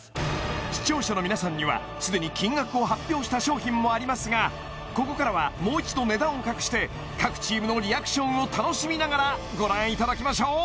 視聴者の皆さんにはすでに金額を発表した商品もありますがここからはもう一度値段を隠して各チームのリアクションを楽しみながらご覧いただきましょう